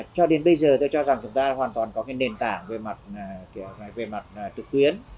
cho đến bây giờ tôi cho rằng chúng ta hoàn toàn có nền tảng về mặt trực tuyến